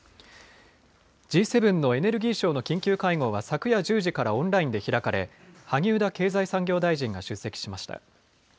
Ｇ７のエネルギー相の緊急会合は昨夜１０時からオンラインで開かれ、萩生田経済産業大臣が出席しました。